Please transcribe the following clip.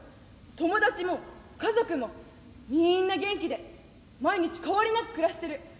「友達も家族もみんな元気で毎日変わりなく暮らしてる。